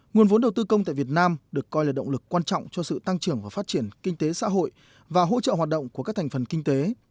nguồn vốn đầu tư công tại việt nam được coi là động lực quan trọng cho sự tăng trưởng và phát triển kinh tế xã hội và hỗ trợ hoạt động của các thành phần kinh tế